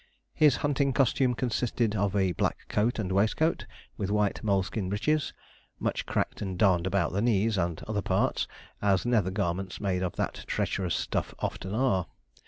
His hunting costume consisted of a black coat and waistcoat, with white moleskin breeches, much cracked and darned about the knees and other parts, as nether garments made of that treacherous stuff often are.